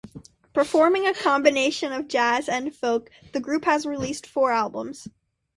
Performing a combination of jazz and folk, the group has released four albums.